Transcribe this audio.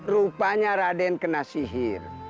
rupanya raden kena sihir